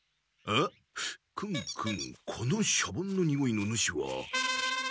クンクンこのシャボンのにおいの主は。